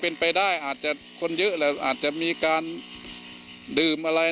เป็นไปได้อาจจะคนเยอะแหละอาจจะมีการดื่มอะไร